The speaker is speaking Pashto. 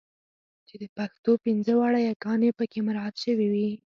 چې د پښتو پنځه واړه یګانې پکې مراعات شوې وي.